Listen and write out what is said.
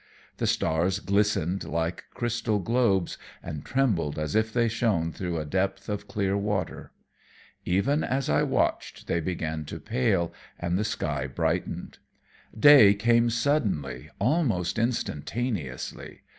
The stars glistened like crystal globes, and trembled as if they shone through a depth of clear water. Even as I watched, they began to pale and the sky brightened. Day came suddenly, almost instantaneously.